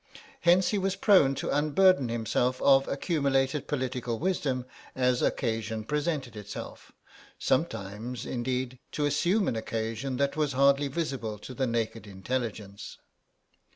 Hence he was prone to unburden himself of accumulated political wisdom as occasion presented itself—sometimes, indeed, to assume an occasion that was hardly visible to the naked intelligence.